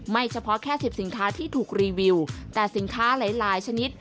เฉพาะแค่สิบสินค้าที่ถูกรีวิวแต่สินค้าหลายชนิด